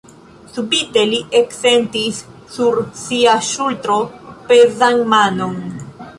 Subite li eksentis sur sia ŝultro pezan manon.